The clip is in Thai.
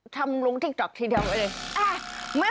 ถ้ำลงติ๊กต็อกเทียมก็เลย